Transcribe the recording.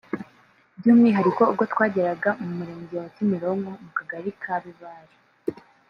By’umwihariko ubwo twageraga mu Murenge wa Kimironko mu Kagari ka Bibare